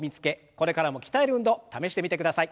これからも鍛える運動試してみてください。